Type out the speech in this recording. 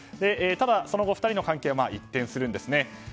ただ、その後２人の関係は一転するんですね。